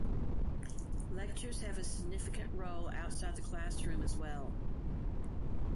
Lectures have a significant role outside the classroom, as well.